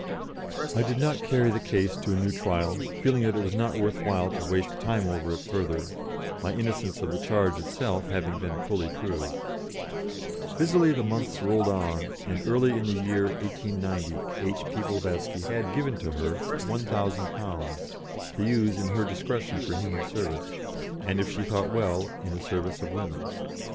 I did not carry the case to a new trial, feeling that it was not worth while to waste time over it further, my innocence of the charge itself having been fully proved. Busily the months rolled on, and early in the year 1890 H.P.Blavatsky had given to her £1,000, to use in her discretion for human service, and if she thought well, in the service of women.